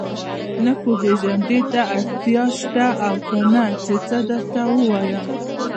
نه پوهېږم دې ته اړتیا شته او کنه چې څه درته ووايم.